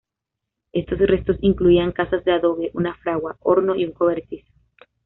Estos restos incluían casas de adobe, una fragua, horno y un cobertizo.